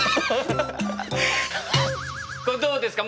これどうですか？